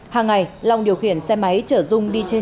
hàng ngày long điều khiển xe máy chở dung đi trộm cắp tài sản